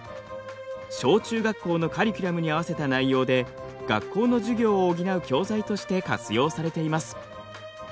小中学校のカリキュラムに合わせた内容で学校の授業を補う教材として活用されています。